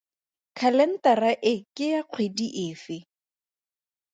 Khalentara e ke ya kgwedi efe?